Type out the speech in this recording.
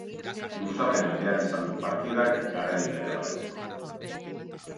Luzapena behar izan du partidak garailea erabakitzeko.